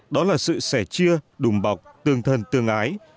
đó là sự sẻ chia đùm bọc tương thân tương ái